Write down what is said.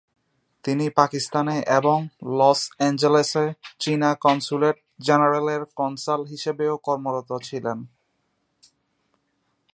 তিনি পাকিস্তানে এবং লস অ্যাঞ্জেলেসে চীনা কনস্যুলেট-জেনারেলের কনসাল হিসাবেও কর্মরত ছিলেন।